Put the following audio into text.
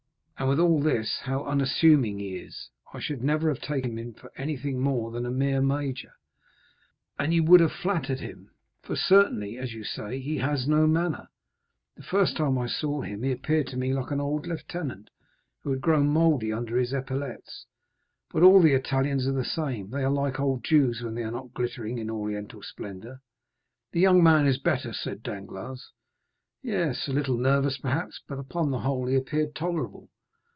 "And with all this, how unassuming he is! I should never have taken him for anything more than a mere major." "And you would have flattered him, for certainly, as you say, he has no manner. The first time I saw him he appeared to me like an old lieutenant who had grown mouldy under his epaulets. But all the Italians are the same; they are like old Jews when they are not glittering in Oriental splendor." "The young man is better," said Danglars. "Yes; a little nervous, perhaps, but, upon the whole, he appeared tolerable.